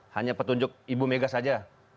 hanya petunjuk ibu mega saja